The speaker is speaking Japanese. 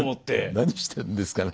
何してんですかね。